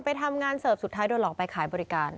ไปทำงานเสิร์ฟสุดท้ายโดนหลอกไปขายบริการ